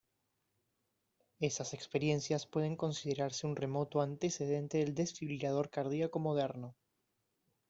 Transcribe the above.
Esas experiencias pueden considerarse un remoto antecedente del desfibrilador cardíaco moderno.